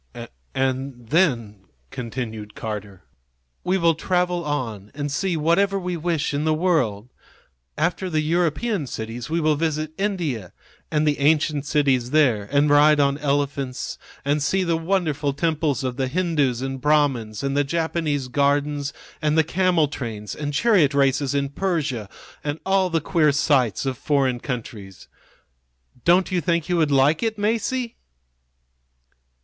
"And then," continued Carter, "we will travel on and see whatever we wish in the world. After the European cities we will visit India and the ancient cities there, and ride on elephants and see the wonderful temples of the Hindoos and Brahmins and the Japanese gardens and the camel trains and chariot races in Persia, and all the queer sights of foreign countries. Don't you think you would like it, Masie?"